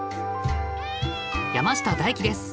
山下大輝です。